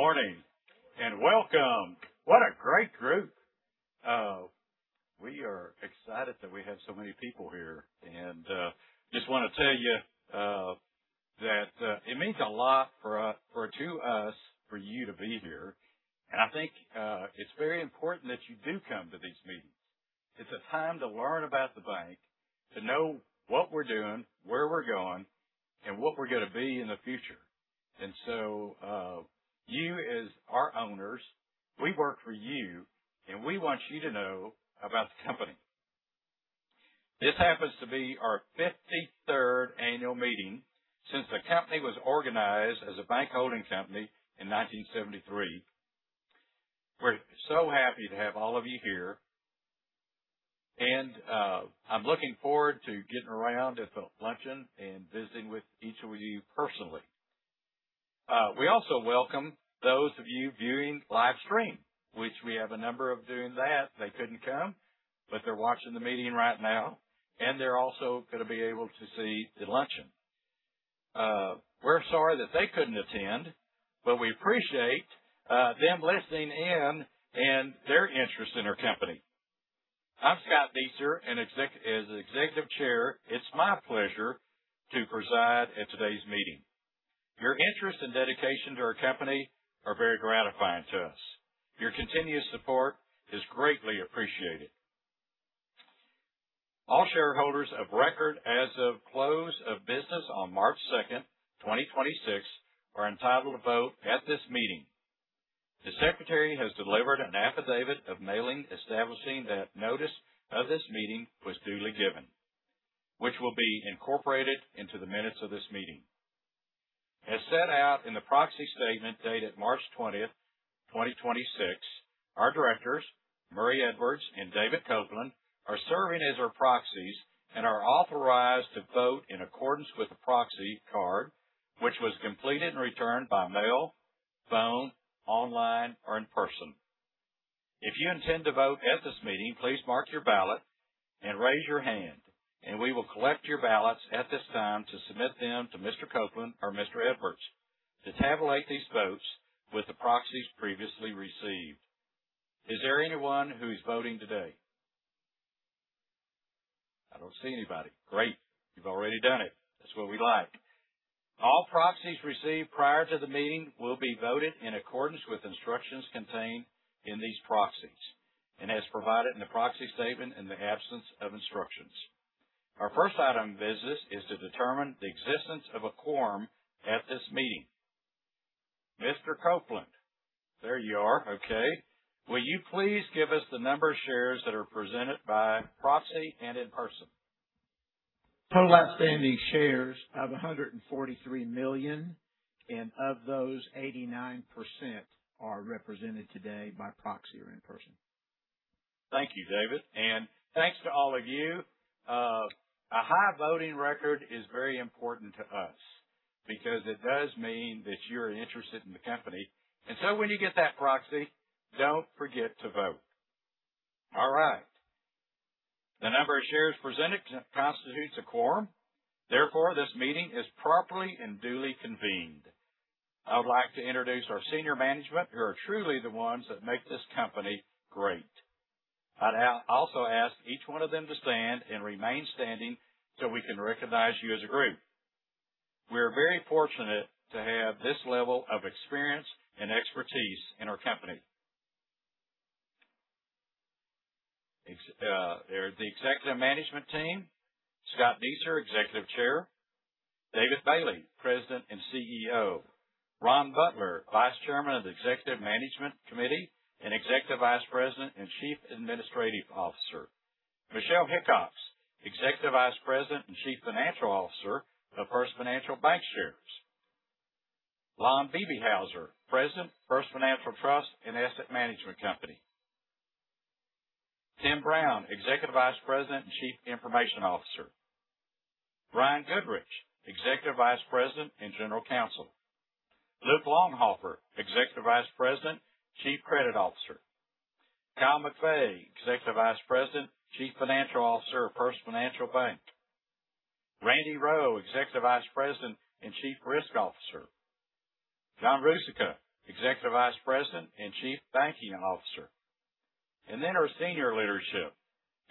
Good morning and welcome. What a great group. We are excited that we have so many people here. Just wanna tell you that it means a lot for us for you to be here. I think it's very important that you do come to these meetings. It's a time to learn about the bank, to know what we're doing, where we're going, and what we're gonna be in the future. You as our owners, we work for you, and we want you to know about the company. This happens to be our 53rd annual meeting since the company was organized as a bank holding company in 1973. We're so happy to have all of you here. I'm looking forward to getting around at the luncheon and visiting with each of you personally. We also welcome those of you viewing live stream, which we have a number of doing that. They couldn't come, but they're watching the meeting right now, and they're also gonna be able to see the luncheon. We're sorry that they couldn't attend, but we appreciate them listening in and their interest in our company. I'm F. Scott Dueser, and as Executive Chair, it's my pleasure to preside at today's meeting. Your interest and dedication to our company are very gratifying to us. Your continuous support is greatly appreciated. All shareholders of record as of close of business on March second, 2026 are entitled to vote at this meeting. The secretary has delivered an affidavit of mailing establishing that notice of this meeting was duly given, which will be incorporated into the minutes of this meeting. As set out in the proxy statement dated March 20th, 2026, our directors, Murray Edwards and David Copeland, are serving as our proxies and are authorized to vote in accordance with the proxy card, which was completed and returned by mail, phone, online, or in person. If you intend to vote at this meeting, please mark your ballot and raise your hand, and we will collect your ballots at this time to submit them to Mr. Copeland or Mr. Edwards to tabulate these votes with the proxies previously received. Is there anyone who is voting today? I don't see anybody. Great. You've already done it. That's what we like. All proxies received prior to the meeting will be voted in accordance with instructions contained in these proxies and as provided in the proxy statement in the absence of instructions. Our first item of business is to determine the existence of a quorum at this meeting. Mr. Copeland. There you are. Okay. Will you please give us the number of shares that are presented by proxy and in person? Total outstanding shares of 143 million, and of those, 89% are represented today by proxy or in person. Thank you, David. Thanks to all of you. A high voting record is very important to us because it does mean that you're interested in the company. When you get that proxy, don't forget to vote. All right. The number of shares presented constitutes a quorum. Therefore, this meeting is properly and duly convened. I would like to introduce our senior management, who are truly the ones that make this company great. I'd also ask each one of them to stand and remain standing so we can recognize you as a group. We are very fortunate to have this level of experience and expertise in our company. The Executive Management Team, F. Scott Dueser, Executive Chairman. David Bailey, President and CEO. Ron Butler, Vice Chairman of the Executive Management Committee and Executive Vice President and Chief Administrative Officer. Michelle S. Hickox, Executive Vice President and Chief Financial Officer of First Financial Bankshares. Lon Biebighauser, President, First Financial Trust and Asset Management Company. Tim Brown, Executive Vice President and Chief Information Officer. Brian Goodrich, Executive Vice President and General Counsel. T. Luke Longhofer, Executive Vice President, Chief Credit Officer. J. Kyle McVey, Executive Vice President, Chief Financial Officer of First Financial Bank. Randy Roewe, Executive Vice President and Chief Risk Officer. John Ruzicka, Executive Vice President and Chief Banking Operations Officer. Our senior leadership.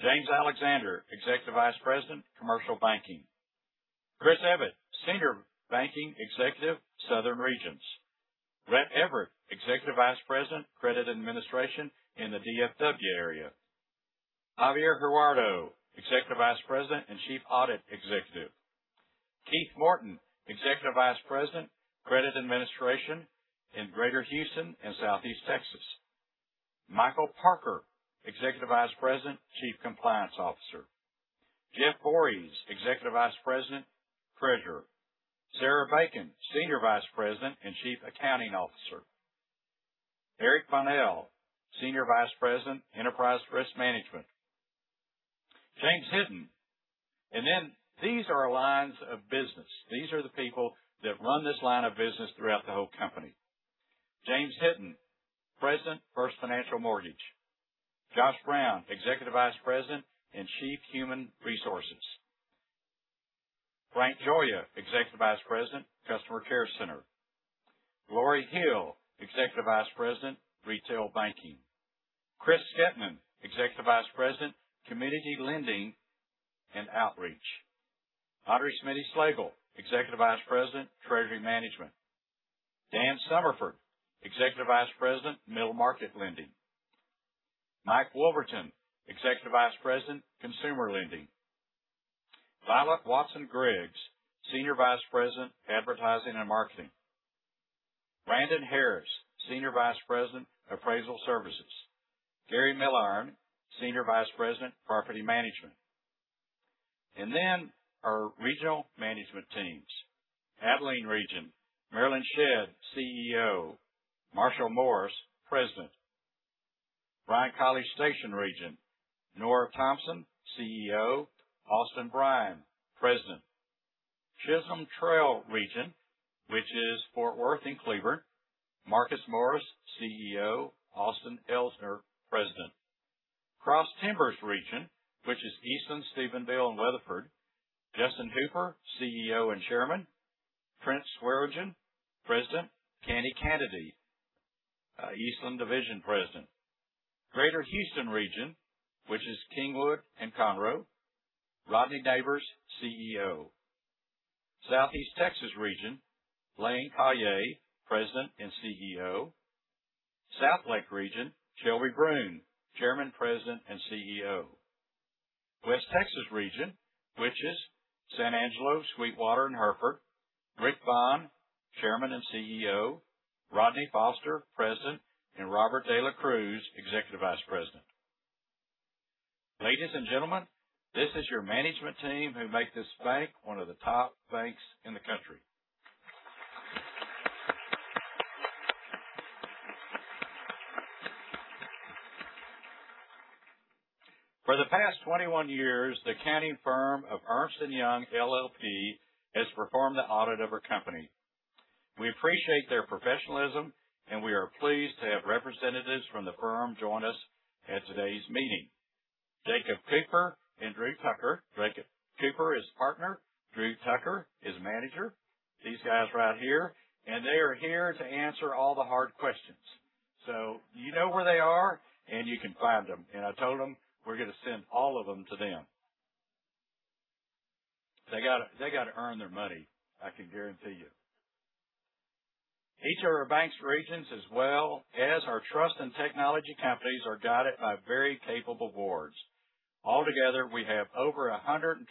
James Alexander, Executive Vice President, Head of Commercial Banking. Chris Evatt, Senior Banking Executive, Southern Regions. Rett Everett, Executive Vice President, Credit Administration in the D.F.W. area. Javier Jurado, Executive Vice President and Chief Audit Executive. Keith Morton, Executive Vice President, Credit Administration in Greater Houston and Southeast Texas. Mike Parker, Executive Vice President, Chief Compliance Officer. Jeff Vorhees, Executive Vice President and Treasurer. Sarah Bacon, Senior Vice President and Chief Accounting Officer. Eric Bonnell, Senior Vice President, Enterprise Risk Management. James Hinton. These are our lines of business. These are the people that run this line of business throughout the whole company. James Hinton, President, First Financial Mortgage. Josh Brown, Executive Vice President and Chief Human Resources. Frank Gioia, Executive Vice President, Customer Contact Center. Lori Hill, Executive Vice President, Retail Banking. Chris Schjetnan, Executive Vice President, Community Lending and Outreach. Andrea Smiddy-Schlagel, Executive Vice President, Treasury Management. Dan Summerford, Executive Vice President, Middle Market Lending. Mike Wolverton, Executive Vice President, Consumer Lending. Violet Watson Griggs, Senior Vice President, Advertising and Marketing. Brandon Harris, Senior Vice President, Appraisal Services. Gary Milliorn, Senior Vice President, Property Management. Our regional management teams. Abilene Region, Marelyn Shedd, CEO. Marshall Morris, President. Bryan-College Station Region, Nora Thompson, CEO. Austin Bryan, President. Chisholm Trail region, which is Fort Worth and Cleburne. Marcus Morris, CEO. Austin Elsner, President. Cross Timbers region, which is Eastland, Stephenville, and Weatherford. Justin Hooper, CEO and Chairman. Trent Swearengin, President. Candi Kanady, Eastland Division President. Greater Houston region, which is Kingwood and Conroe. Rodney Nabors, Regional CEO. Southeast Texas region, Blaine Caillier, President and CEO. Southlake region, Shelby Bruhn, Chairman, President, and CEO. West Texas region, which is San Angelo, Sweetwater, and Hereford. Rick Vaughan, Chairman and CEO. Rodney Foster, President, and Robert de la Cruz, Executive Vice President. Ladies and gentlemen, this is your management team who make this bank one of the top banks in the country. For the past 21 years, the accounting firm of Ernst & Young LLP has performed the audit of our company. We appreciate their professionalism, and we are pleased to have representatives from the firm join us at today's meeting. Jacob Cooper and Drew Tucker. Jacob Cooper is Partner. Drew Tucker is Manager. These guys right here, and they are here to answer all the hard questions. You know where they are, and you can find them. I told them we're gonna send all of them to them. They gotta earn their money, I can guarantee you. Each of our bank's regions, as well as our trust and technology companies, are guided by very capable boards. Altogether, we have over 120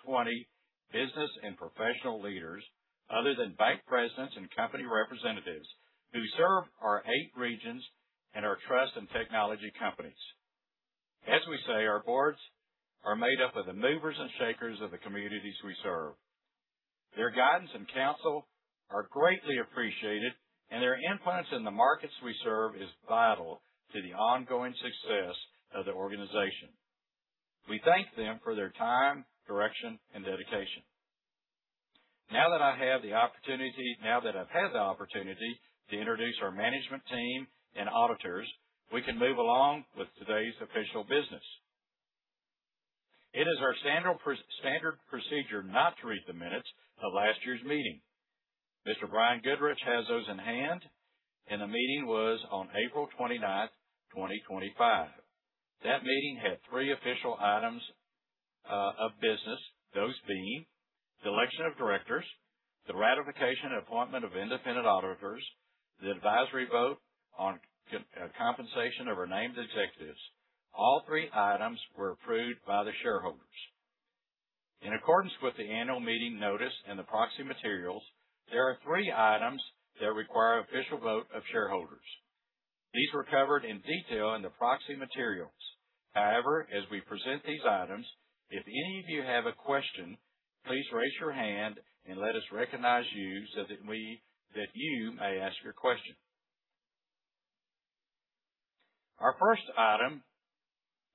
business and professional leaders, other than bank presidents and company representatives, who serve our eight regions and our trust and technology companies. As we say, our boards are made up of the movers and shakers of the communities we serve. Their guidance and counsel are greatly appreciated, and their influence in the markets we serve is vital to the ongoing success of the organization. We thank them for their time, direction, and dedication. Now that I've had the opportunity to introduce our management team and auditors, we can move along with today's official business. It is our standard procedure not to read the minutes of last year's meeting. Mr. Brian Goodrich has those in hand, and the meeting was on April 29th, 2025. That meeting had three official items of business. Those being the election of directors, the ratification and appointment of independent auditors, the advisory vote on compensation of our named executives. All three items were approved by the shareholders. In accordance with the annual meeting notice and the proxy materials, there are three items that require official vote of shareholders. These were covered in detail in the proxy materials. As we present these items, if any of you have a question, please raise your hand and let us recognize you so that you may ask your question. Our first item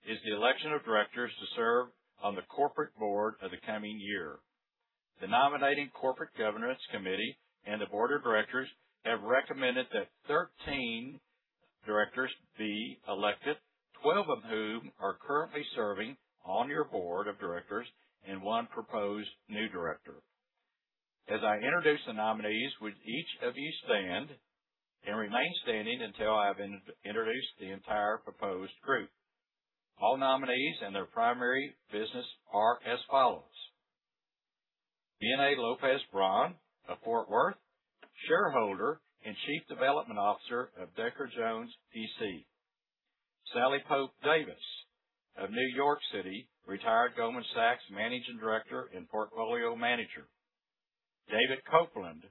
is the election of directors to serve on the corporate board of the coming year. The Nominating Corporate Governance Committee and the board of directors have recommended that 13 directors be elected, 12 of whom are currently serving on your board of directors and one proposed new director. As I introduce the nominees, would each of you stand and remain standing until I have introduced the entire proposed group. All nominees and their primary business are as follows: Vianei Lopez Braun of Fort Worth, shareholder and Chief Development Officer of Decker Jones, P.C. Sally Pope Davis of New York City, retired Goldman Sachs Managing Director and Portfolio Manager. David Copeland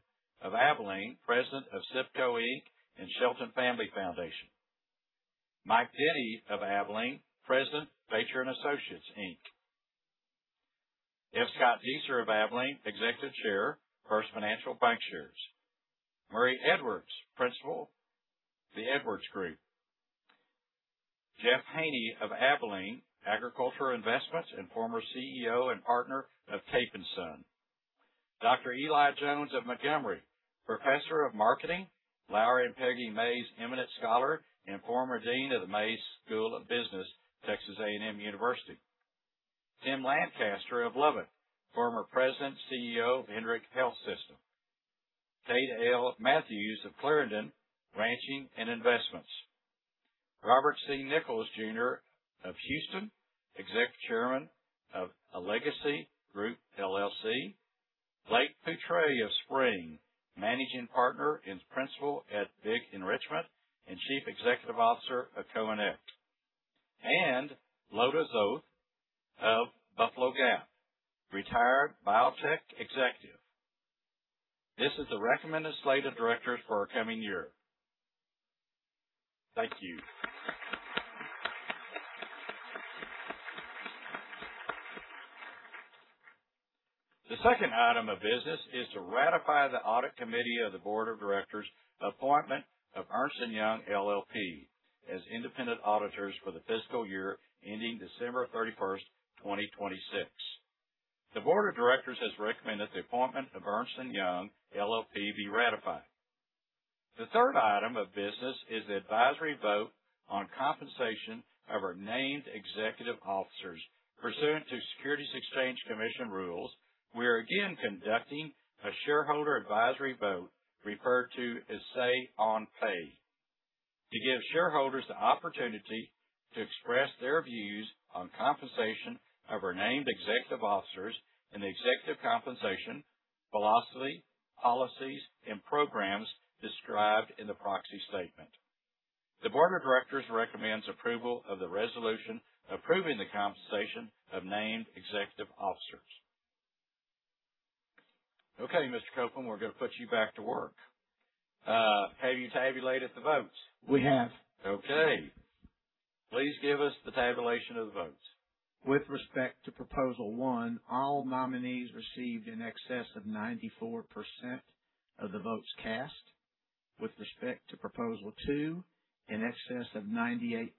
of Abilene, president of Sipco, Inc. and The Shelton Family Foundation. Mike Denny of Abilene, president, Batjer and Associates, Inc. F. Scott Dueser of Abilene, Executive Chairman, First Financial Bankshares. Murray Edwards, principal, The Edwards Group, LP. Geoff Haney of Abilene, agricultural investments and former CEO and partner of Cape & Son. Dr. Eli Jones of Montgomery, Professor of Marketing, Lowry and Peggy Mays Eminent Scholar, and former Dean of the Mays Business School, Texas A&M University. Tim Lancaster of Lubbock, former President, CEO of Hendrick Health System. Kade Matthews of Clarendon, ranching and investments. Robert C. Nickles Jr. of Houston, Executive Chairman of Alegacy Group, LLC. Blake Poutra of Spring, Managing Partner and Principal at Big Enrichment and Chief Executive Officer of Coennect. Lota Zoth of Buffalo Gap, retired biotech executive. This is the recommended slate of directors for our coming year. Thank you. The second item of business is to ratify the audit committee of the board of directors' appointment of Ernst & Young LLP as independent auditors for the fiscal year ending December 31st, 2026. The board of directors has recommended the appointment of Ernst & Young LLP be ratified. The third item of business is the advisory vote on compensation of our named executive officers. Pursuant to Securities and Exchange Commission rules, we are again conducting a shareholder advisory vote referred to as Say on Pay to give shareholders the opportunity to express their views on compensation of our named executive officers and the executive compensation philosophy, policies, and programs described in the proxy statement. The board of directors recommends approval of the resolution approving the compensation of named executive officers. Okay, Mr. Copeland, we're gonna put you back to work. Have you tabulated the votes? We have. Okay. Please give us the tabulation of the votes. With respect to proposal one, all nominees received in excess of 94% of the votes cast. With respect to proposal two, in excess of 98%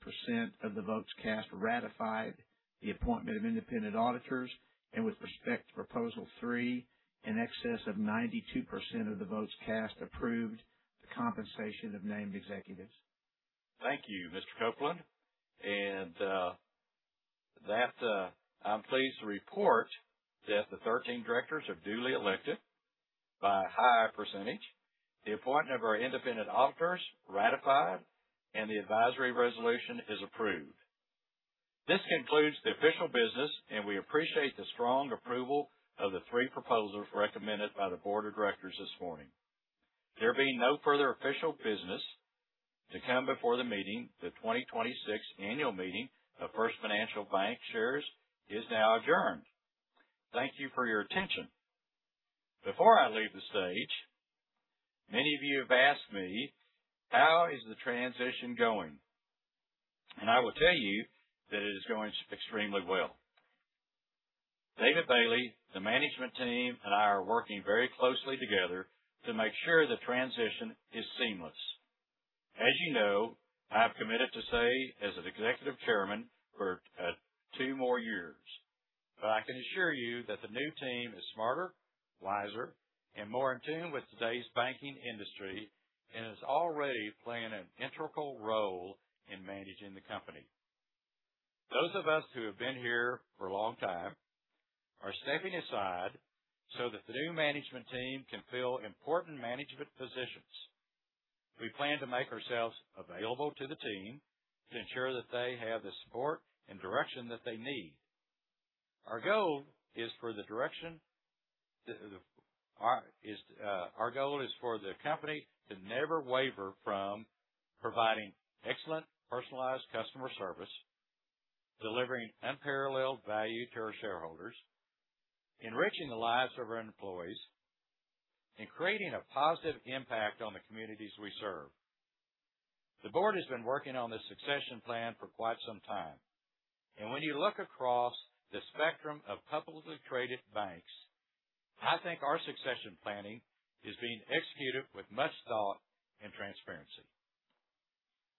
of the votes cast ratified the appointment of independent auditors. With respect to proposal three, in excess of 92% of the votes cast approved the compensation of named executives. Thank you, Mr. Copeland. That I'm pleased to report that the 13 directors are duly elected by a high percentage, the appointment of our independent auditors ratified, and the advisory resolution is approved. This concludes the official business, and we appreciate the strong approval of the three proposals recommended by the board of directors this morning. There being no further official business to come before the meeting, the 2026 annual meeting of First Financial Bankshares is now adjourned. Thank you for your attention. Before I leave the stage, many of you have asked me, "How is the transition going?" I will tell you that it is going extremely well. David Bailey, the management team, and I are working very closely together to make sure the transition is seamless. As you know, I've committed to stay as an Executive Chairman for two more years. I can assure you that the new team is smarter, wiser, and more in tune with today's banking industry, and is already playing an integral role in managing the company. Those of us who have been here for a long time are stepping aside so that the new management team can fill important management positions. We plan to make ourselves available to the team to ensure that they have the support and direction that they need. Our goal is for the company to never waver from providing excellent personalized customer service, delivering unparalleled value to our shareholders, enriching the lives of our employees, and creating a positive impact on the communities we serve. The board has been working on this succession plan for quite some time. When you look across the spectrum of publicly traded banks, I think our succession planning is being executed with much thought and transparency.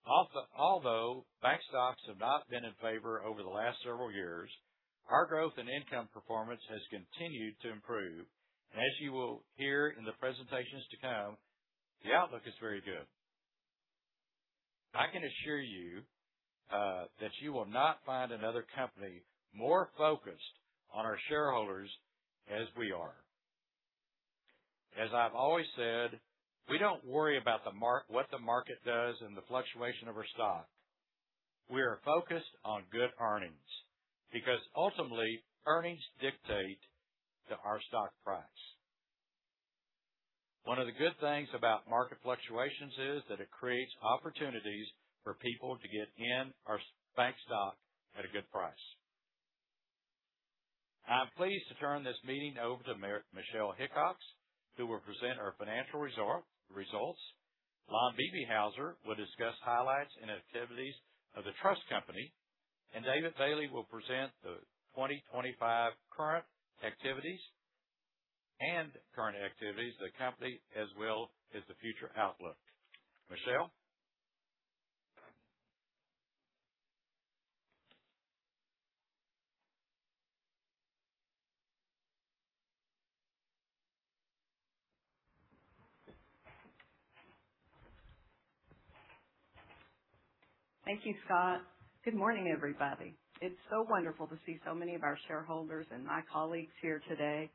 Although bank stocks have not been in favor over the last several years, our growth and income performance has continued to improve. As you will hear in the presentations to come, the outlook is very good. I can assure you that you will not find another company more focused on our shareholders as we are. As I've always said, we don't worry about what the market does and the fluctuation of our stock. We are focused on good earnings because ultimately, earnings dictate the, our stock price. One of the good things about market fluctuations is that it creates opportunities for people to get in our bank stock at a good price. I am pleased to turn this meeting over to Michelle S. Hickox, who will present our financial results. Lon Biebighauser will discuss highlights and activities of the trust company. David Bailey will present the 2025 current activities of the company as well as the future outlook. Michelle? Thank you, Scott. Good morning, everybody. It's so wonderful to see so many of our shareholders and my colleagues here today.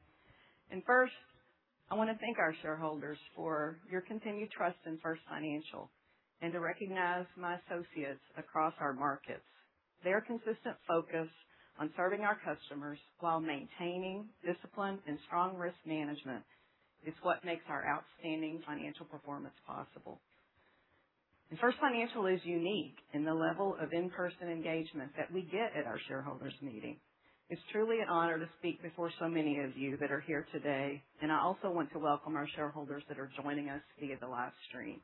First, I wanna thank our shareholders for your continued trust in First Financial and to recognize my associates across our markets. Their consistent focus on serving our customers while maintaining discipline and strong risk management is what makes our outstanding financial performance possible. First Financial is unique in the level of in-person engagement that we get at our shareholders meeting. It's truly an honor to speak before so many of you that are here today, and I also want to welcome our shareholders that are joining us via the live stream.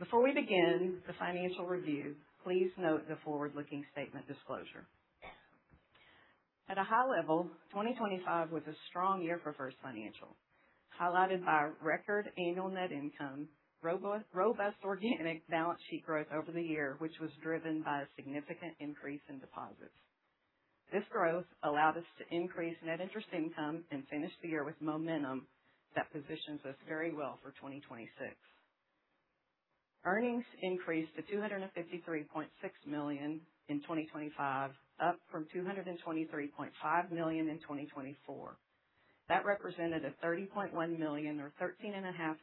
Before we begin the financial review, please note the forward-looking statement disclosure. At a high level, 2025 was a strong year for First Financial, highlighted by record annual net income, robust organic balance sheet growth over the year, which was driven by a significant increase in deposits. This growth allowed us to increase net interest income and finish the year with momentum that positions us very well for 2026. Earnings increased to $253.6 million in 2025, up from $223.5 million in 2024. That represented a $30.1 million or 13.5%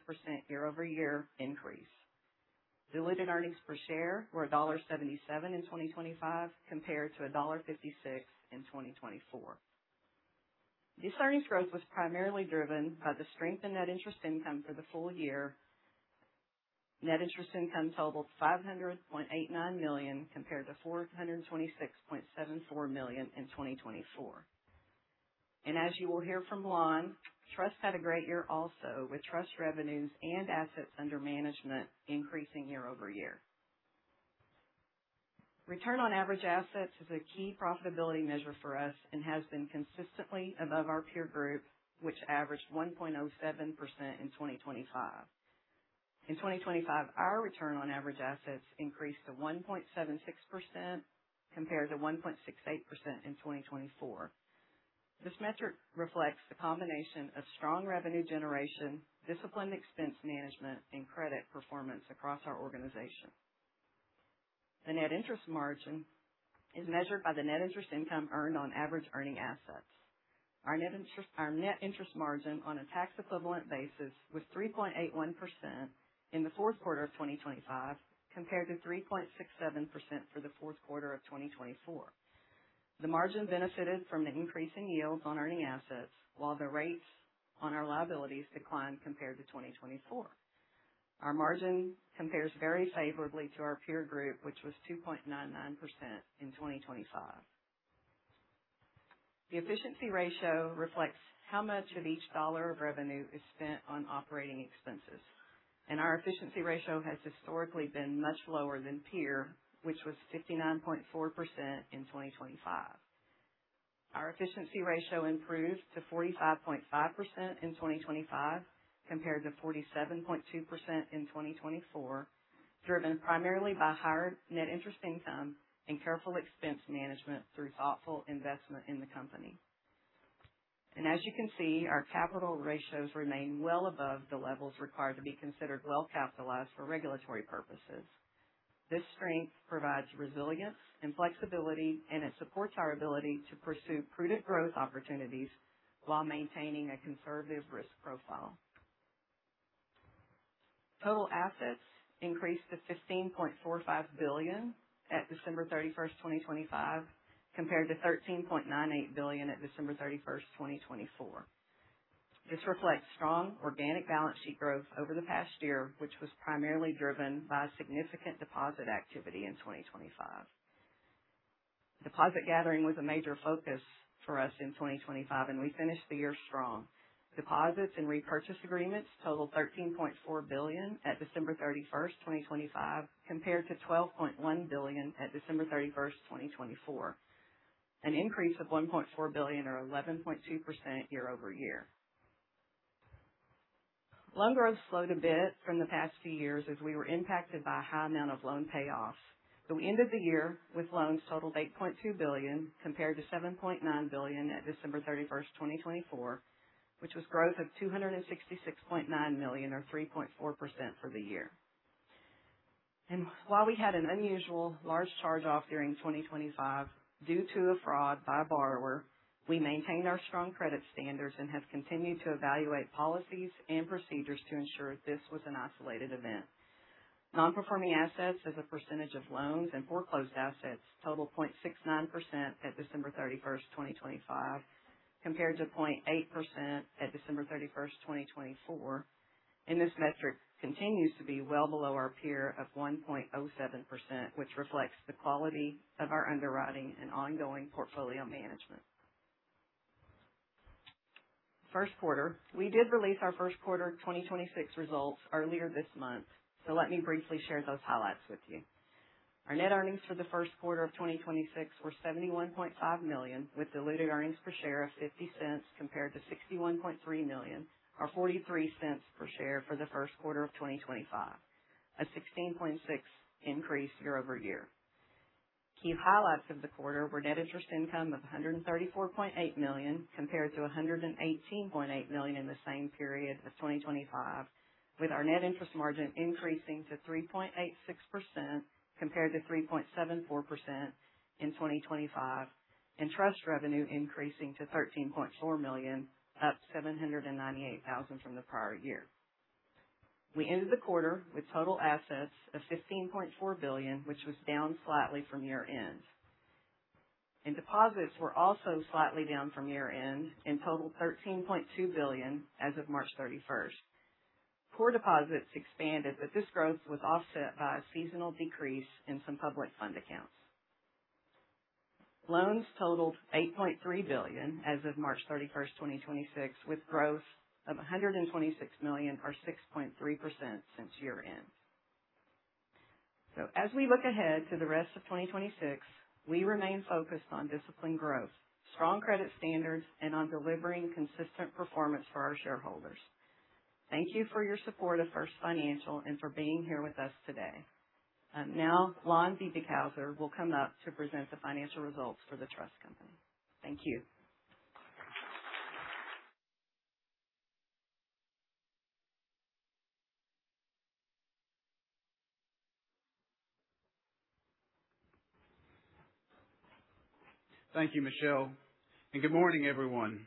year-over-year increase. Diluted earnings per share were $1.77 in 2025 compared to $1.56 in 2024. This earnings growth was primarily driven by the strength in net interest income for the full year. Net interest income totaled $500.89 million compared to $426.74 million in 2024. As you will hear from Lon, Trust had a great year also, with Trust revenues and assets under management increasing year-over-year. Return on average assets is a key profitability measure for us and has been consistently above our peer group, which averaged 1.07% in 2025. In 2025, our return on average assets increased to 1.76% compared to 1.68% in 2024. This metric reflects the combination of strong revenue generation, disciplined expense management, and credit performance across our organization. The net interest margin is measured by the net interest income earned on average earning assets. Our net interest margin on a tax equivalent basis was 3.81% in the fourth quarter of 2025 compared to 3.67% for the fourth quarter of 2024. The margin benefited from the increase in yields on earning assets, while the rates on our liabilities declined compared to 2024. Our margin compares very favorably to our peer group, which was 2.99% in 2025. The efficiency ratio reflects how much of each dollar of revenue is spent on operating expenses, our efficiency ratio has historically been much lower than peer, which was 59.4% in 2025. Our efficiency ratio improved to 45.5% in 2025 compared to 47.2% in 2024, driven primarily by higher net interest income and careful expense management through thoughtful investment in the company. As you can see, our capital ratios remain well above the levels required to be considered well capitalized for regulatory purposes. This strength provides resilience and flexibility. It supports our ability to pursue prudent growth opportunities while maintaining a conservative risk profile. Total assets increased to $15.45 billion at December 31st, 2025, compared to $13.98 billion at December 31st, 2024. This reflects strong organic balance sheet growth over the past year, which was primarily driven by significant deposit activity in 2025. Deposit gathering was a major focus for us in 2025. We finished the year strong. Deposits and repurchase agreements totaled $13.4 billion at December 31st, 2025, compared to $12.1 billion at December 31st, 2024, an increase of $1.4 billion or 11.2% year-over-year. Loan growth slowed a bit from the past few years as we were impacted by a high amount of loan payoffs. We ended the year with loans totaling $8.2 billion compared to $7.9 billion at December 31st, 2024, which was growth of $266.9 million or 3.4% for the year. While we had an unusual large charge-off during 2025 due to a fraud by a borrower, we maintained our strong credit standards and have continued to evaluate policies and procedures to ensure this was an isolated event. Non-performing assets as a percentage of loans and foreclosed assets totaled 0.69% at December 31st, 2025, compared to 0.8% at December 31st, 2024. This metric continues to be well below our peer of 1.07%, which reflects the quality of our underwriting and ongoing portfolio management. First quarter. We did release our first quarter of 2026 results earlier this month, let me briefly share those highlights with you. Our net earnings for the first quarter of 2026 were $71.5 million, with diluted earnings per share of $0.50 compared to $61.3 million or $0.43 per share for the first quarter of 2025. A 16.6% increase year-over-year. Key highlights of the quarter were net interest income of $134.8 million compared to $118.8 million in the same period of 2025, with our net interest margin increasing to 3.86% compared to 3.74% in 2025, and trust revenue increasing to $13.4 million, up $798,000 from the prior year. We ended the quarter with total assets of $15.4 billion, which was down slightly from year-end. Deposits were also slightly down from year-end and totaled $13.2 billion as of March 31st. Core deposits expanded, but this growth was offset by a seasonal decrease in some public fund accounts. Loans totaled $8.3 billion as of March 31st, 2026, with growth of $126 million or 6.3% since year-end. As we look ahead to the rest of 2026, we remain focused on disciplined growth, strong credit standards, and on delivering consistent performance for our shareholders. Thank you for your support of First Financial Bankshares and for being here with us today. Now Lon Biebighauser will come up to present the financial results for the trust company. Thank you. Thank you, Michelle. Good morning, everyone.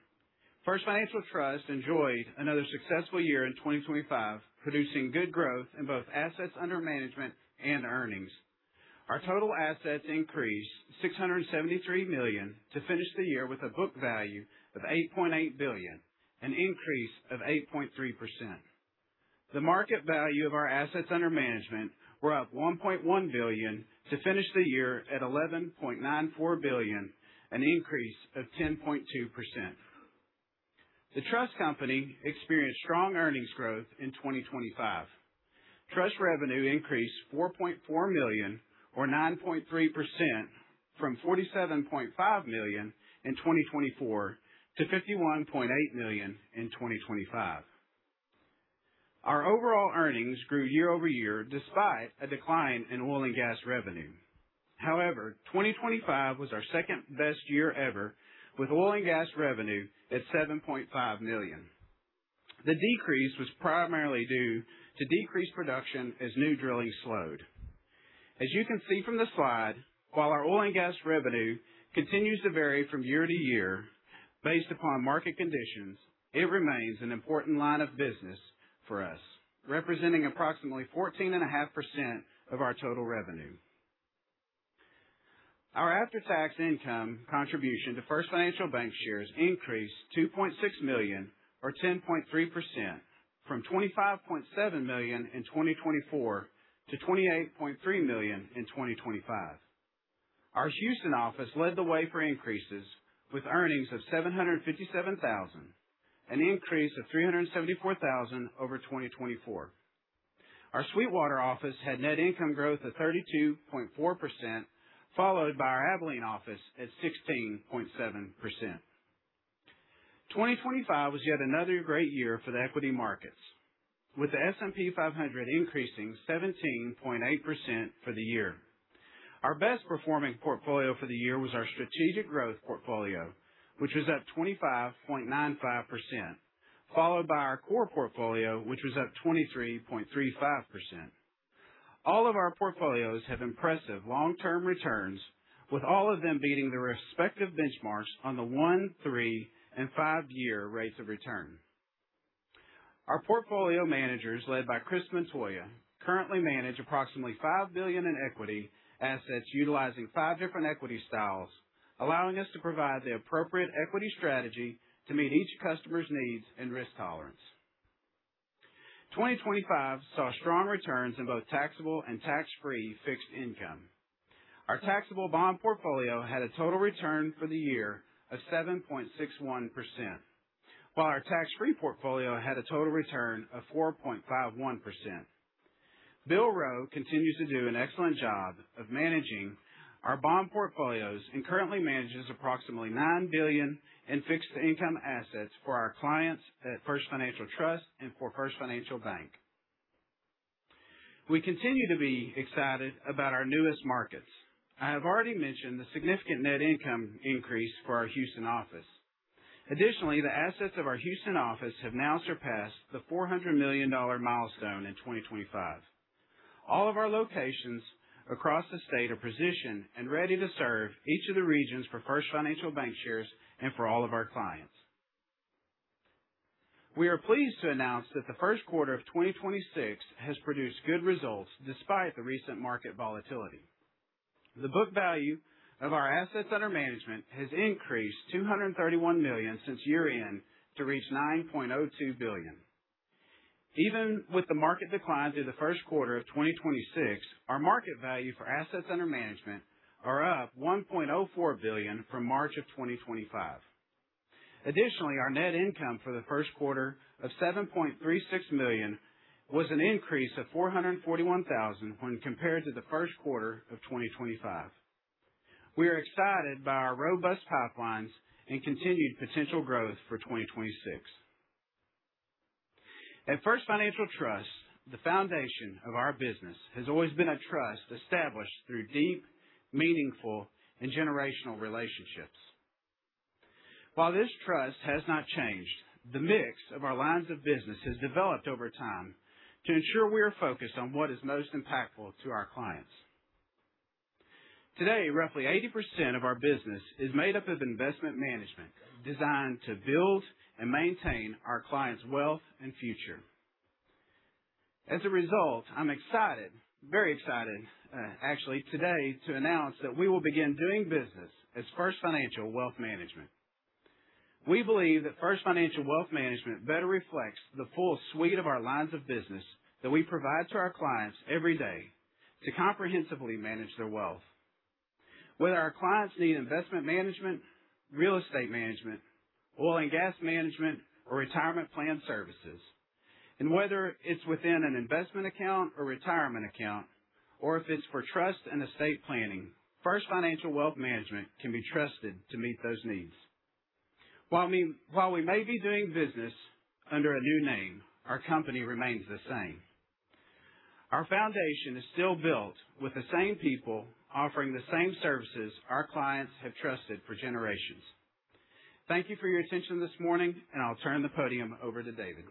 First Financial Trust enjoyed another successful year in 2025, producing good growth in both assets under management and earnings. Our total assets increased $673 million to finish the year with a book value of $8.8 billion, an increase of 8.3%. The market value of our assets under management were up $1.1 billion to finish the year at $11.94 billion, an increase of 10.2%. The Trust company experienced strong earnings growth in 2025. Trust revenue increased $4.4 million or 9.3% from $47.5 million in 2024 to $51.8 million in 2025. Our overall earnings grew year-over-year despite a decline in oil and gas revenue. However, 2025 was our second-best year ever with oil and gas revenue at $7.5 million. The decrease was primarily due to decreased production as new drilling slowed. As you can see from the slide, while our oil and gas revenue continues to vary from year-to-year based upon market conditions, it remains an important line of business for us, representing approximately 14.5% of our total revenue. Our after-tax income contribution to First Financial Bankshares increased $2.6 million or 10.3% from $25.7 million in 2024 to $28.3 million in 2025. Our Houston office led the way for increases with earnings of $757,000, an increase of $374,000 over 2024. Our Sweetwater office had net income growth of 32.4%, followed by our Abilene office at 16.7%. 2025 was yet another great year for the equity markets, with the S&P 500 increasing 17.8% for the year. Our best performing portfolio for the year was our strategic growth portfolio, which was up 25.95%, followed by our core portfolio, which was up 23.35%. All of our portfolios have impressive long-term returns, with all of them beating their respective benchmarks on the one, three, and five year rates of return. Our portfolio managers, led by Chris Montoya, currently manage approximately $5 billion in equity assets utilizing five different equity styles, allowing us to provide the appropriate equity strategy to meet each customer's needs and risk tolerance. 2025 saw strong returns in both taxable and tax-free fixed income. Our taxable bond portfolio had a total return for the year of 7.61%, while our tax-free portfolio had a total return of 4.51%. Bill Rowe continues to do an excellent job of managing our bond portfolios and currently manages approximately $9 billion in fixed income assets for our clients at First Financial Trust and for First Financial Bank. We continue to be excited about our newest markets. I have already mentioned the significant net income increase for our Houston office. Additionally, the assets of our Houston office have now surpassed the $400 million milestone in 2025. All of our locations across the state are positioned and ready to serve each of the regions for First Financial Bankshares and for all of our clients. We are pleased to announce that the first quarter of 2026 has produced good results despite the recent market volatility. The book value of our assets under management has increased $231 million since year-end to reach $9.02 billion. Even with the market decline through the first quarter of 2026, our market value for assets under management are up $1.04 billion from March of 2025. Additionally, our net income for the first quarter of $7.36 million was an increase of $441,000 when compared to the first quarter of 2025. We are excited by our robust pipelines and continued potential growth for 2026. At First Financial Trust, the foundation of our business has always been a trust established through deep, meaningful, and generational relationships. While this trust has not changed, the mix of our lines of business has developed over time to ensure we are focused on what is most impactful to our clients. Today, roughly 80% of our business is made up of investment management designed to build and maintain our clients' wealth and future. As a result, I'm excited, very excited, actually today to announce that we will begin doing business as First Financial Wealth Management. We believe that First Financial Wealth Management better reflects the full suite of our lines of business that we provide to our clients every day to comprehensively manage their wealth. Whether our clients need investment management, real estate management, oil and gas management, or retirement plan services, whether it's within an investment account or retirement account, or if it's for trust and estate planning, First Financial Wealth Management can be trusted to meet those needs. While we may be doing business under a new name, our company remains the same. Our foundation is still built with the same people offering the same services our clients have trusted for generations. Thank you for your attention this morning. I'll turn the podium over to David.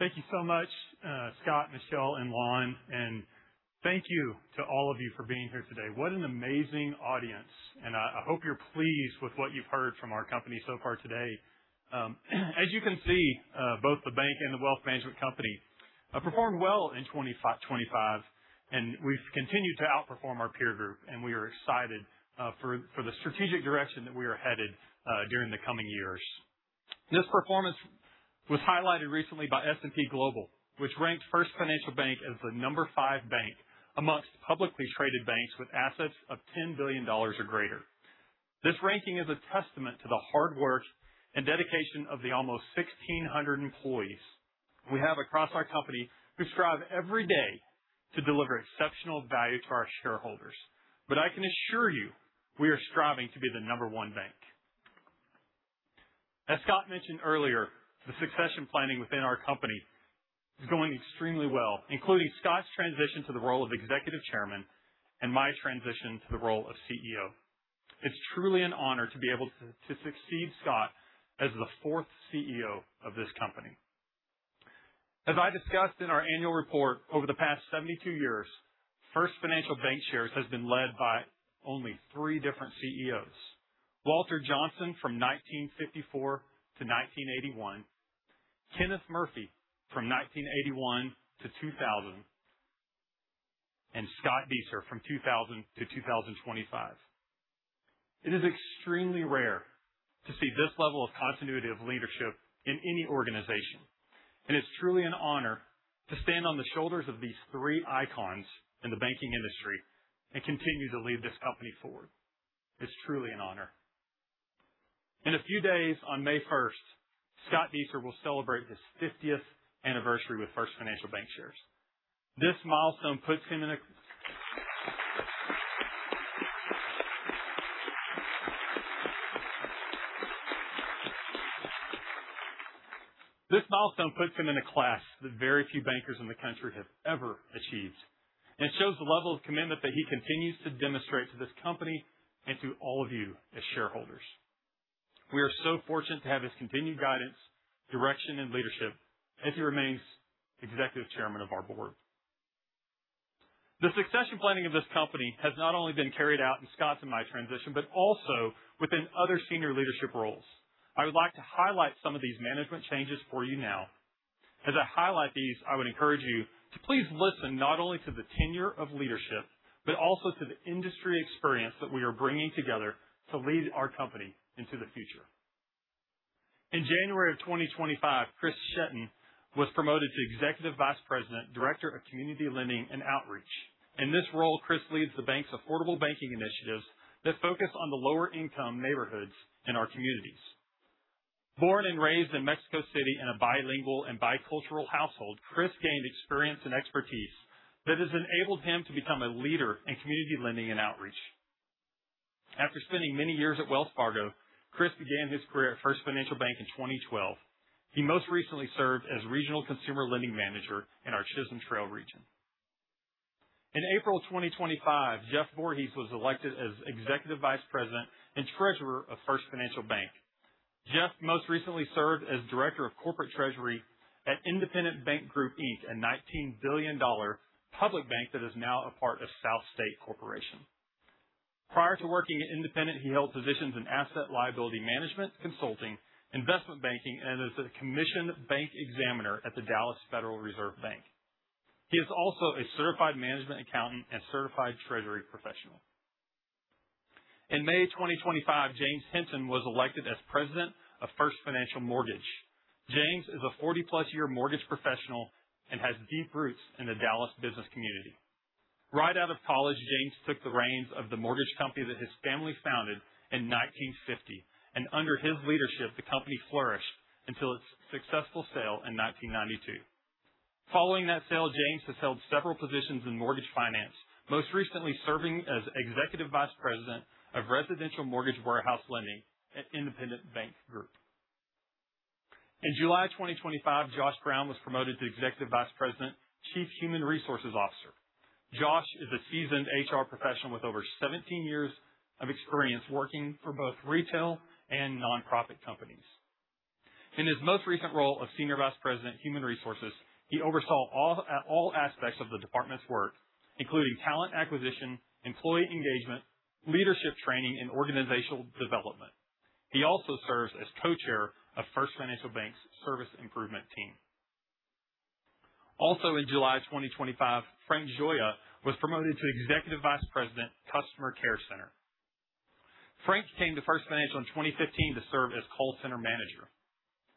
Thank you so much, Scott, Michelle, and Lon, and thank you to all of you for being here today. What an amazing audience. I hope you're pleased with what you've heard from our company so far today. As you can see, both the bank and the wealth management company performed well in 2025, we've continued to outperform our peer group, we are excited for the strategic direction that we are headed during the coming years. This performance was highlighted recently by S&P Global, which ranked First Financial Bank as the number five bank amongst publicly traded banks with assets of $10 billion or greater. This ranking is a testament to the hard work and dedication of the almost 1,600 employees we have across our company who strive every day to deliver exceptional value to our shareholders. I can assure you, we are striving to be the number one bank. As Scott mentioned earlier, the succession planning within our company is going extremely well, including Scott's transition to the role of Executive Chairman and my transition to the role of CEO. It's truly an honor to be able to succeed Scott as the fourth CEO of this company. As I discussed in our annual report, over the past 72 years, First Financial Bankshares has been led by only three different CEOs. Walter Johnson from 1954 to 1981, Kenneth T. Murphy from 1981 to 2000, and F. Scott Dueser from 2000 to 2025. It is extremely rare to see this level of continuity of leadership in any organization, and it's truly an honor to stand on the shoulders of these three icons in the banking industry and continue to lead this company forward. It's truly an honor. In a few days, on May 1st, F. Scott Dueser will celebrate his fiftieth anniversary with First Financial Bankshares. This milestone puts him in a class that very few bankers in the country have ever achieved and shows the level of commitment that he continues to demonstrate to this company and to all of you as shareholders. We are so fortunate to have his continued guidance, direction, and leadership as he remains Executive Chairman of our board. The succession planning of this company has not only been carried out in Scott's and my transition, but also within other senior leadership roles. I would like to highlight some of these management changes for you now. As I highlight these, I would encourage you to please listen not only to the tenure of leadership, but also to the industry experience that we are bringing together to lead our company into the future. In January of 2025, Chris Schjetnan was promoted to Executive Vice President, Director of Community Lending and Outreach. In this role, Chris leads the bank's affordable banking initiatives that focus on the lower income neighborhoods in our communities. Born and raised in Mexico City in a bilingual and bicultural household, Chris gained experience and expertise that has enabled him to become a leader in community lending and outreach. After spending many years at Wells Fargo, Chris began his career at First Financial Bank in 2012. He most recently served as regional consumer lending manager in our Chisholm Trail Region. In April 2025, Jeff Vorhees was elected as Executive Vice President and Treasurer of First Financial Bank. Jeff most recently served as Director of Corporate Treasury at Independent Bank Group, Inc., a $19 billion public bank that is now a part of SouthState Corporation. Prior to working at Independent, he held positions in asset liability management, consulting, investment banking, and as a commission bank examiner at the Federal Reserve Bank of Dallas. He is also a Certified Management Accountant and Certified Treasury Professional. In May 2025, James Hinton was elected as President of First Financial Mortgage. James is a 40+ year mortgage professional and has deep roots in the Dallas business community. Right out of college, James took the reins of the mortgage company that his family founded in 1950, and under his leadership, the company flourished until its successful sale in 1992. Following that sale, James Hinton has held several positions in mortgage finance, most recently serving as Executive Vice President of Residential Mortgage Warehouse Lending at Independent Bank Group. In July 2025, Josh Brown was promoted to Executive Vice President, Chief Human Resources Officer. Josh is a seasoned HR professional with over 17 years of experience working for both retail and nonprofit companies. In his most recent role of Senior Vice President, Human Resources, he oversaw all aspects of the department's work, including talent acquisition, employee engagement, leadership training, and organizational development. He also serves as co-chair of First Financial Bank's Service Improvement Team. Also in July 2025, Frank Gioia was promoted to Executive Vice President, Customer Contact Center. Frank came to First Financial in 2015 to serve as call center manager.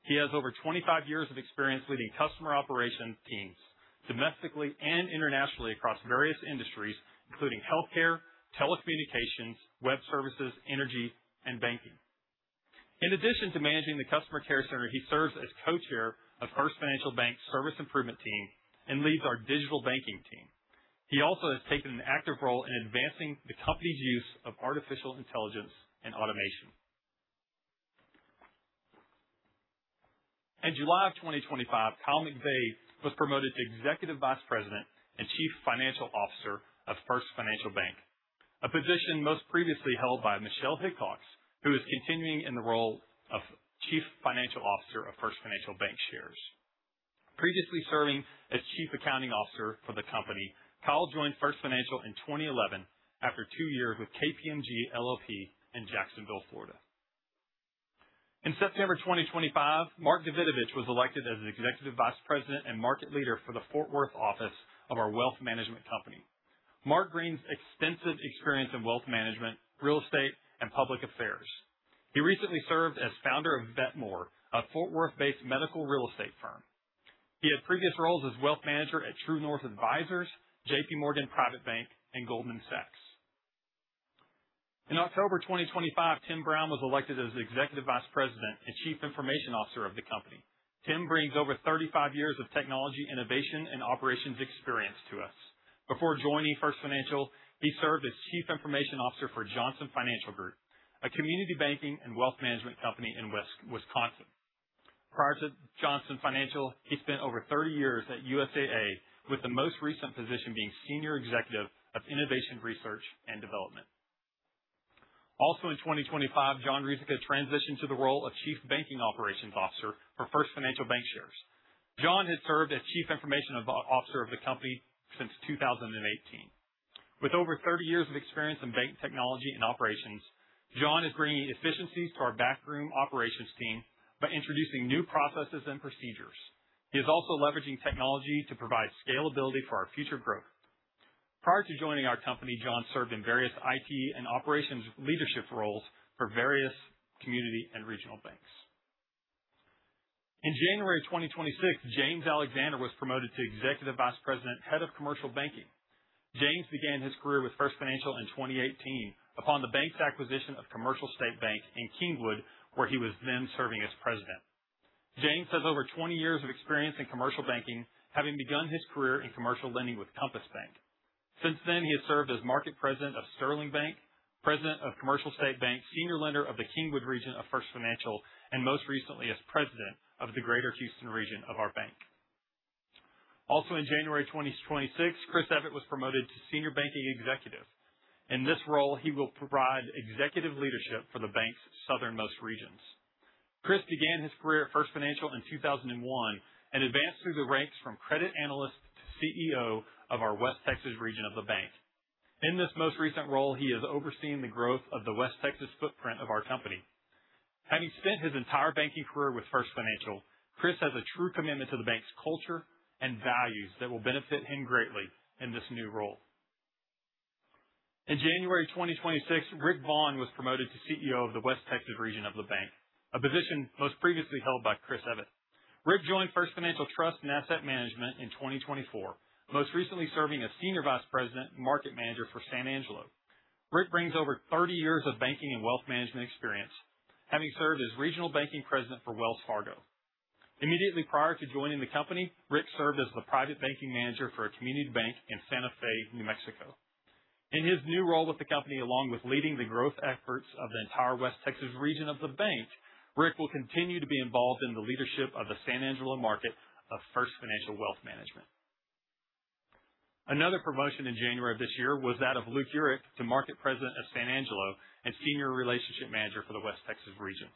He has over 25 years of experience leading customer operation teams domestically and internationally across various industries, including healthcare, telecommunications, web services, energy, and banking. In addition to managing the customer care center, he serves as co-chair of First Financial Bank Service Improvement Team and leads our digital banking team. He also has taken an active role in advancing the company's use of artificial intelligence and automation. In July of 2025, J. Kyle McVey was promoted to Executive Vice President and Chief Financial Officer of First Financial Bank, a position most previously held by Michelle S. Hickox, who is continuing in the role of Chief Financial Officer of First Financial Bankshares. Previously serving as Chief Accounting Officer for the company, Kyle joined First Financial in 2011 after two years with KPMG LLP in Jacksonville, Florida. In September 2025, Mark Davidovich was elected as an Executive Vice President and Market Leader for the Fort Worth office of our wealth management company. Mark brings extensive experience in wealth management, real estate, and public affairs. He recently served as founder of VetMor, a Fort Worth-based medical real estate firm. He had previous roles as wealth manager at True North Advisors, J.P. Morgan Private Bank, and Goldman Sachs. In October 2025, Tim Brown was elected as Executive Vice President and Chief Information Officer of the company. Tim brings over 35 years of technology, innovation, and operations experience to us. Before joining First Financial, he served as Chief Information Officer for Johnson Financial Group, a community banking and wealth management company in Wisconsin. Prior to Johnson Financial, he spent over 30 years at USAA, with the most recent position being Senior Executive of Innovation, Research, and Development. In 2025, John Ruzicka transitioned to the role of Chief Banking Operations Officer for First Financial Bankshares. John had served as Chief Information Officer of the company since 2018. With over 30 years of experience in bank technology and operations, John is bringing efficiencies to our backroom operations team by introducing new processes and procedures. He is also leveraging technology to provide scalability for our future growth. Prior to joining our company, John served in various IT and operations leadership roles for various community and regional banks. In January 2026, James Alexander was promoted to Executive Vice President, Head of Commercial Banking. James began his career with First Financial in 2018 upon the bank's acquisition of Commercial State Bank in Kingwood, where he was then serving as president. James has over 20 years of experience in commercial banking, having begun his career in commercial lending with Compass Bank. Since then, he has served as Market President of Sterling Bank, President of Commercial State Bank, Senior Lender of the Kingwood region of First Financial, and most recently, as President of the Greater Houston region of our bank. Also in January 2026, Chris Evatt was promoted to Senior Banking Executive. In this role, he will provide executive leadership for the bank's southernmost regions. Chris began his career at First Financial in 2001 and advanced through the ranks from credit analyst to CEO of our West Texas Region of the bank. In this most recent role, he is overseeing the growth of the West Texas footprint of our company. Having spent his entire banking career with First Financial, Chris has a true commitment to the bank's culture and values that will benefit him greatly in this new role. In January 2026, Rick Vaughan was promoted to CEO of the West Texas Region of the bank, a position most previously held by Chris Evatt. Rick joined First Financial Trust and Asset Management in 2024, most recently serving as Senior Vice President and Market Manager for San Angelo. Rick brings over 30 years of banking and wealth management experience, having served as Regional Banking President for Wells Fargo. Immediately prior to joining the company, Rick served as the Private Banking Manager for a community bank in Santa Fe, New Mexico. In his new role with the company, along with leading the growth efforts of the entire West Texas Region of the bank, Rick will continue to be involved in the leadership of the San Angelo market of First Financial Wealth Management. Another promotion in January of this year was that of Luke Urich to Market President of San Angelo and Senior Relationship Manager for the West Texas Region.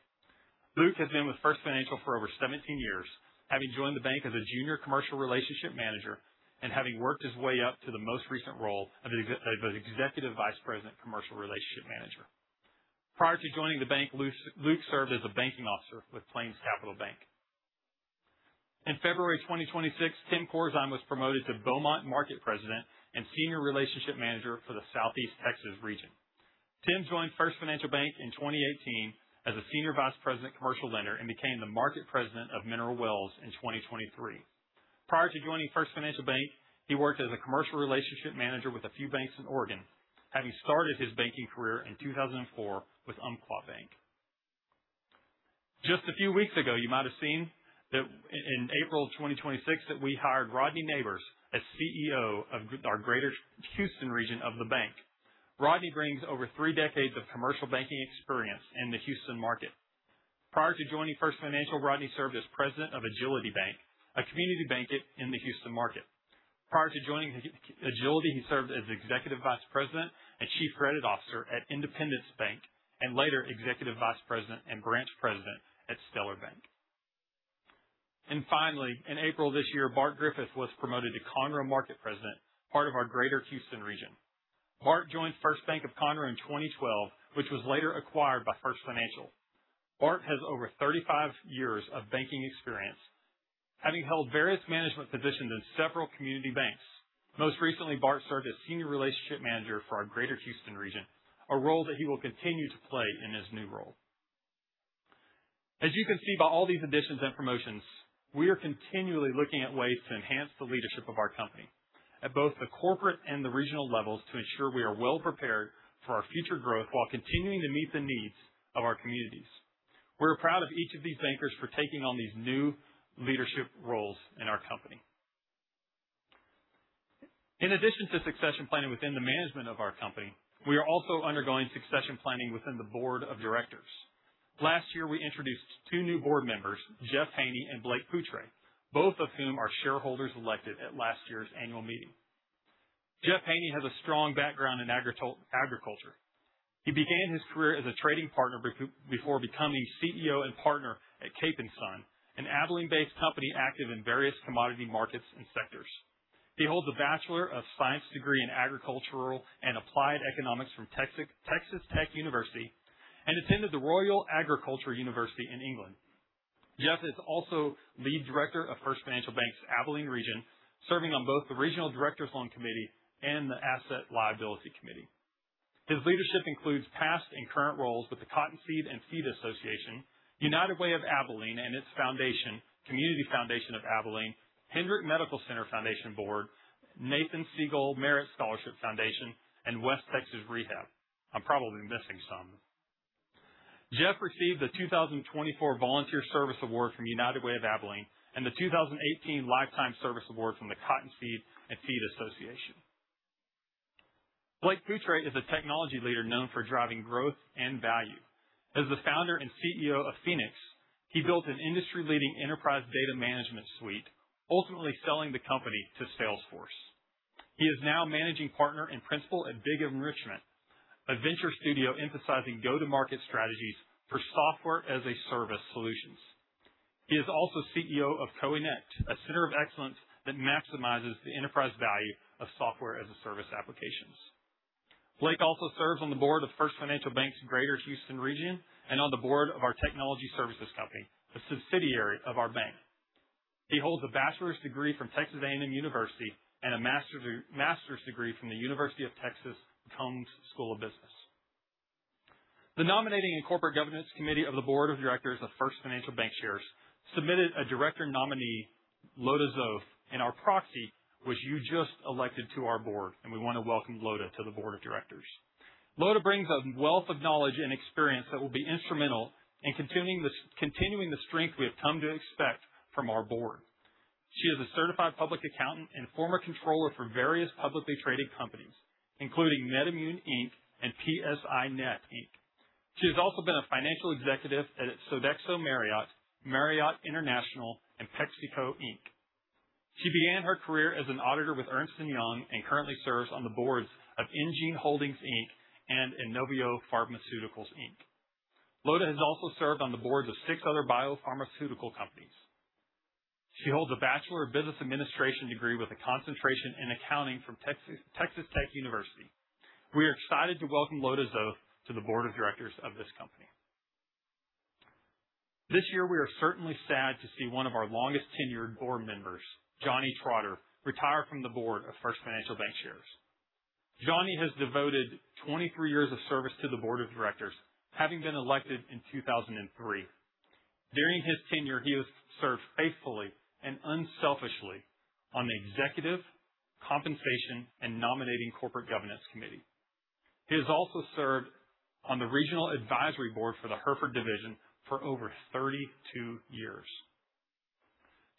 Luke has been with First Financial for over 17 years, having joined the bank as a Junior Commercial Relationship Manager and having worked his way up to the most recent role of an Executive Vice President, Commercial Relationship Manager. Prior to joining the bank, Luke served as a banking officer with PlainsCapital Bank. In February 2026, Tim Korzun was promoted to Beaumont Market President and Senior Relationship Manager for the Southeast Texas Region. Tim joined First Financial Bank in 2018 as a senior vice president commercial lender and became the Market President of Mineral Wells in 2023. Prior to joining First Financial Bank, he worked as a commercial relationship manager with a few banks in Oregon, having started his banking career in 2004 with Umpqua Bank. Just a few weeks ago, you might have seen that in April of 2026 that we hired Rodney Nabors as CEO of our Greater Houston Region of the bank. Rodney brings over three decades of commercial banking experience in the Houston Market. Prior to joining First Financial, Rodney served as President of Agility Bank, a community bank in the Houston Market. Prior to joining Agility Bank, he served as Executive Vice President and Chief Credit Officer at Independence Bank, and later Executive Vice President and Branch President at Stellar Bank. Finally, in April this year, Bart Griffith was promoted to Conroe Market President, part of our Greater Houston Region. Bart joined First Bank of Conroe in 2012, which was later acquired by First Financial Bankshares. Bart has over 35 years of banking experience, having held various management positions in several community banks. Most recently, Bart served as Senior Relationship Manager for our Greater Houston Region, a role that he will continue to play in his new role. As you can see by all these additions and promotions, we are continually looking at ways to enhance the leadership of our company at both the corporate and the regional levels to ensure we are well prepared for our future growth while continuing to meet the needs of our communities. We're proud of each of these bankers for taking on these new leadership roles in our company. In addition to succession planning within the management of our company, we are also undergoing succession planning within the board of directors. Last year, we introduced two new board members, Geoff Haney and Blake Poutra, both of whom are shareholders elected at last year's annual meeting. Geoff Haney has a strong background in agriculture. He began his career as a trading partner before becoming CEO and partner at Cape & Son, an Abilene-based company active in various commodity markets and sectors. He holds a Bachelor of Science degree in Agricultural and Applied Economics from Texas Tech University and attended the Royal Agricultural University in England. Geoff is also lead director of First Financial Bank's Abilene Region, serving on both the regional directors loan committee and the asset liability committee. His leadership includes past and current roles with the Cottonseed and Feed Association, United Way of Abilene and its foundation, Community Foundation of Abilene, Hendrick Medical Center Foundation Board, Nathan Segal Merit Scholarship, and West Texas Rehabilitation Center. I'm probably missing some. Geoff received the 2024 Volunteer Service Award from United Way of Abilene and the 2018 Lifetime Service Award from the Cottonseed and Feed Association. Blake Poutra is a technology leader known for driving growth and value. As the founder and CEO of Phennecs, he built an industry-leading enterprise data management suite, ultimately selling the company to Salesforce. He is now managing partner and principal at Big Enrichment, a venture studio emphasizing go-to-market strategies for Software as a Service solutions. He is also CEO of Coennect, a center of excellence that maximizes the enterprise value of Software as a Service applications. Blake also serves on the board of First Financial Bank, Greater Houston Region and on the board of our technology services company, a subsidiary of our bank. He holds a bachelor's degree from Texas A&M University and a master's degree from The University of Texas at Austin's School of Business. The Nominating and Corporate Governance Committee of the Board of Directors of First Financial Bankshares submitted a director nominee, Lota Zoth, in our proxy, which you just elected to our board, and we want to welcome Lota to the board of directors. Lota brings a wealth of knowledge and experience that will be instrumental in continuing the strength we have come to expect from our board. She is a certified public accountant and former controller for various publicly traded companies, including NexImmune, Inc. and PSINet Inc. She has also been a financial executive at Sodexo Marriott Services, Marriott International, Inc., and PepsiCo, Inc. She began her career as an auditor with Ernst & Young and currently serves on the boards of enGene Holdings Inc. and Inovio Pharmaceuticals, Inc. Lota has also served on the boards of six other biopharmaceutical companies. She holds a Bachelor of Business Administration degree with a concentration in accounting from Texas Tech University. We are excited to welcome Lota Zoth to the board of directors of this company. This year, we are certainly sad to see one of our longest-tenured board members, Johnny Trotter, retire from the board of First Financial Bankshares. Johnny has devoted 23 years of service to the board of directors, having been elected in 2003. During his tenure, he has served faithfully and unselfishly on the executive, compensation, and nominating corporate governance committee. He has also served on the regional advisory board for the Hereford division for over 32 years.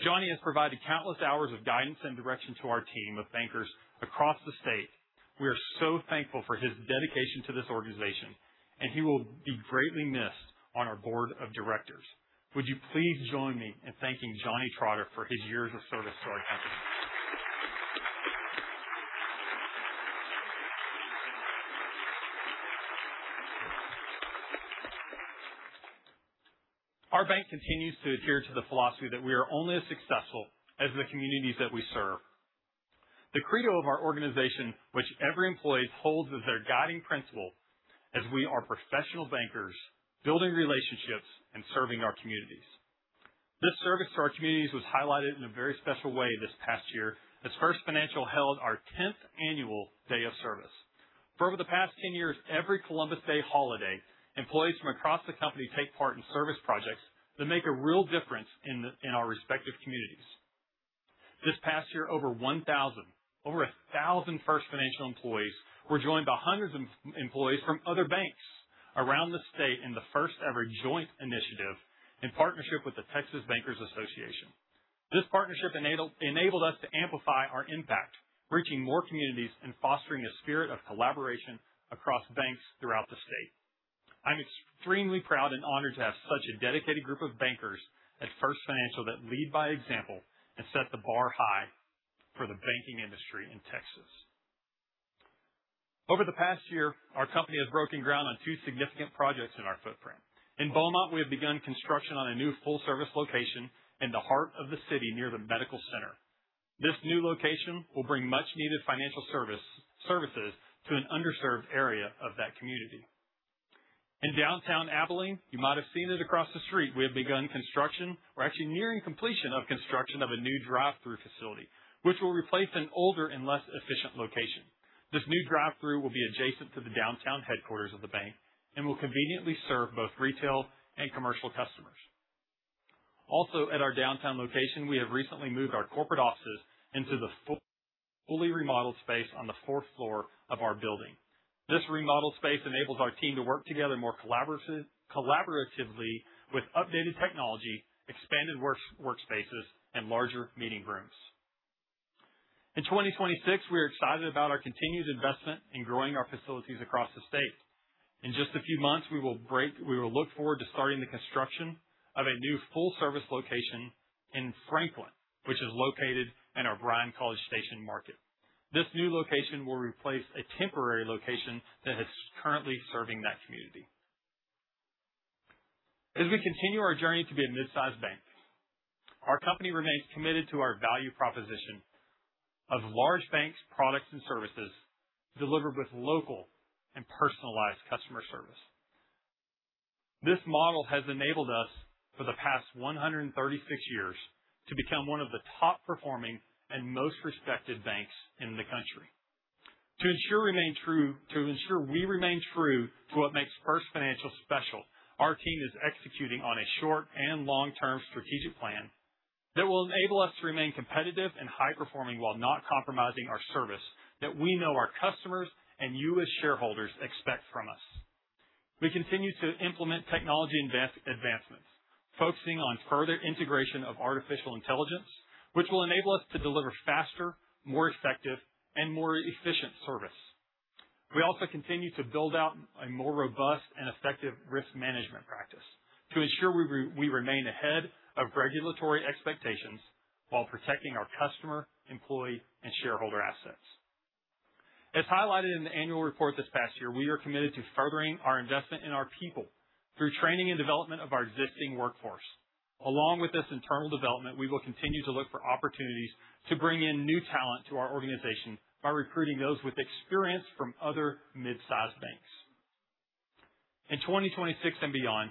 Johnny has provided countless hours of guidance and direction to our team of bankers across the state. We are so thankful for his dedication to this organization, and he will be greatly missed on our board of directors. Would you please join me in thanking Johnny Trotter for his years of service to our company? Our bank continues to adhere to the philosophy that we are only as successful as the communities that we serve. The credo of our organization, which every employee holds as their guiding principle is we are professional bankers building relationships and serving our communities. This service to our communities was highlighted in a very special way this past year as First Financial held our 10th annual Day of Service. For over the past 10 years, every Columbus Day holiday, employees from across the company take part in service projects that make a real difference in our respective communities. This past year, over 1,000 First Financial employees were joined by hundreds of employees from other banks around the state in the first-ever joint initiative in partnership with the Texas Bankers Association. This partnership enabled us to amplify our impact, reaching more communities and fostering a spirit of collaboration across banks throughout the state. I'm extremely proud and honored to have such a dedicated group of bankers at First Financial that lead by example and set the bar high for the banking industry in Texas. Over the past year, our company has broken ground on two significant projects in our footprint. In Beaumont, we have begun construction on a new full-service location in the heart of the city near the medical center. This new location will bring much needed financial services to an underserved area of that community. In downtown Abilene, you might have seen it across the street, we have begun construction. We're actually nearing completion of construction of a new drive-through facility, which will replace an older and less efficient location. This new drive-through will be adjacent to the downtown headquarters of the bank and will conveniently serve both retail and commercial customers. Also, at our downtown location, we have recently moved our corporate offices into the fully remodeled space on the fourth floor of our building. This remodeled space enables our team to work together more collaboratively with updated technology, expanded workspaces, and larger meeting rooms. In 2026, we are excited about our continued investment in growing our facilities across the state. In just a few months, we will look forward to starting the construction of a new full-service location in Franklin, which is located in our Bryan-College Station market. This new location will replace a temporary location that is currently serving that community. As we continue our journey to be a mid-sized bank, our company remains committed to our value proposition of large banks products and services delivered with local and personalized customer service. This model has enabled us, for the past 136 years, to become one of the top performing and most respected banks in the country. To ensure we remain true to what makes First Financial special, our team is executing on a short and long-term strategic plan that will enable us to remain competitive and high performing while not compromising our service that we know our customers and you as shareholders expect from us. We continue to implement technology advancements, focusing on further integration of artificial intelligence, which will enable us to deliver faster, more effective, and more efficient service. We also continue to build out a more robust and effective risk management practice to ensure we remain ahead of regulatory expectations while protecting our customer, employee, and shareholder assets. As highlighted in the annual report this past year, we are committed to furthering our investment in our people through training and development of our existing workforce. Along with this internal development, we will continue to look for opportunities to bring in new talent to our organization by recruiting those with experience from other mid-sized banks. In 2026 and beyond,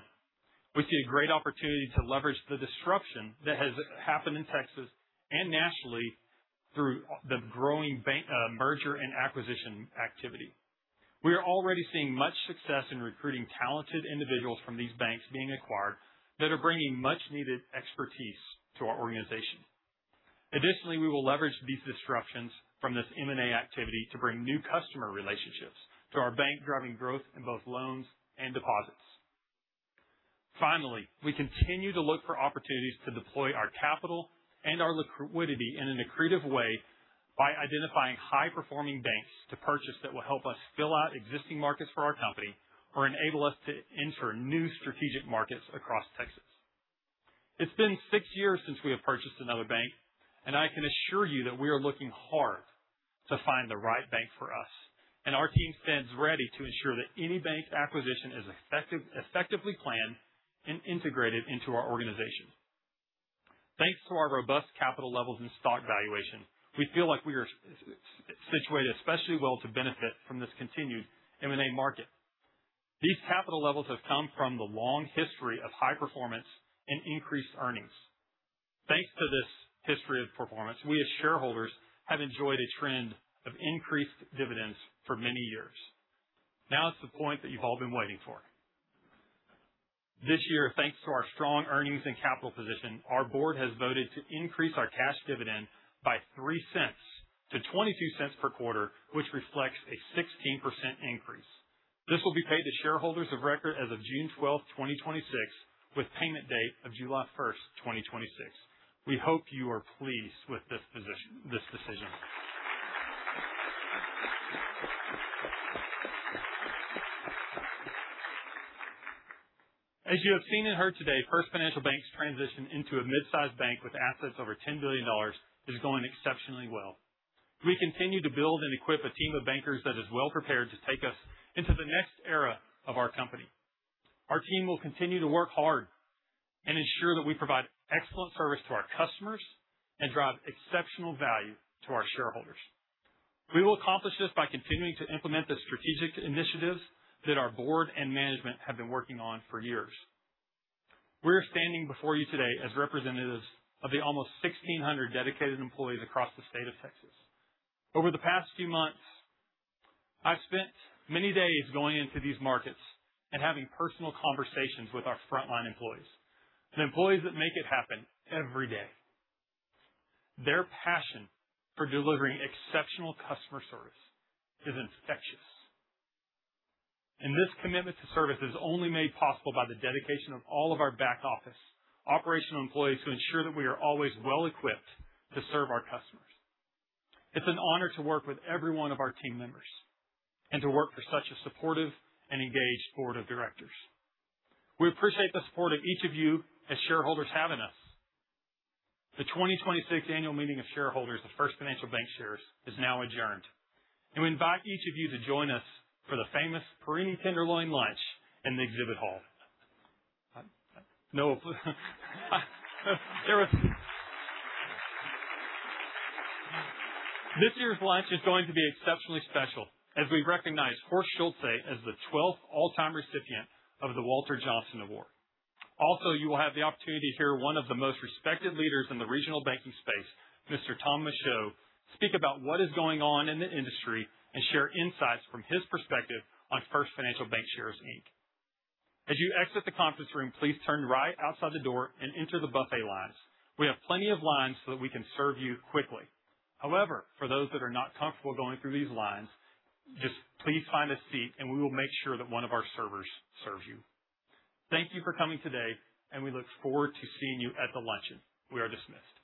we see a great opportunity to leverage the disruption that has happened in Texas and nationally through the growing bank, merger and acquisition activity. We are already seeing much success in recruiting talented individuals from these banks being acquired that are bringing much needed expertise to our organization. We will leverage these disruptions from this M&A activity to bring new customer relationships to our bank, driving growth in both loans and deposits. We continue to look for opportunities to deploy our capital and our liquidity in an accretive way by identifying high-performing banks to purchase that will help us fill out existing markets for our company or enable us to enter new strategic markets across Texas. It's been six years since we have purchased another bank, and I can assure you that we are looking hard to find the right bank for us, and our team stands ready to ensure that any bank acquisition is effective, effectively planned and integrated into our organization. Thanks to our robust capital levels and stock valuation, we feel like we are situated especially well to benefit from this continued M&A market. These capital levels have come from the long history of high performance and increased earnings. Thanks to this history of performance, we as shareholders have enjoyed a trend of increased dividends for many years. Now is the point that you've all been waiting for. This year, thanks to our strong earnings and capital position, our board has voted to increase our cash dividend by $0.03-$0.22 per quarter, which reflects a 16% increase. This will be paid to shareholders of record as of June 12th, 2026, with payment date of July 1st, 2026. We hope you are pleased with this decision. As you have seen and heard today, First Financial Bank's transition into a mid-sized bank with assets over $10 billion is going exceptionally well. We continue to build and equip a team of bankers that is well prepared to take us into the next era of our company. Our team will continue to work hard and ensure that we provide excellent service to our customers and drive exceptional value to our shareholders. We will accomplish this by continuing to implement the strategic initiatives that our board and management have been working on for years. We're standing before you today as representatives of the almost 1,600 dedicated employees across the state of Texas. Over the past few months, I've spent many days going into these markets and having personal conversations with our frontline employees, the employees that make it happen every day. Their passion for delivering exceptional customer service is infectious. This commitment to service is only made possible by the dedication of all of our back office operational employees who ensure that we are always well-equipped to serve our customers. It's an honor to work with every one of our team members and to work for such a supportive and engaged board of directors. We appreciate the support of each of you as shareholders have in us. The 2026 annual meeting of shareholders of First Financial Bankshares is now adjourned, and we invite each of you to join us for the famous Perini tenderloin lunch in the exhibit hall. This year's lunch is going to be exceptionally special as we recognize Horst Schulze as the twelfth all-time recipient of the Walter Johnson Award. Also, you will have the opportunity to hear one of the most respected leaders in the regional banking space, Mr. Thomas B. Michaud, speak about what is going on in the industry and share insights from his perspective on First Financial Bankshares, Inc. As you exit the conference room, please turn right outside the door and enter the buffet lines. We have plenty of lines so that we can serve you quickly. However, for those that are not comfortable going through these lines, just please find a seat, and we will make sure that one of our servers serves you. Thank you for coming today, and we look forward to seeing you at the luncheon. We are dismissed.